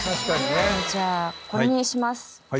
じゃあこれにします。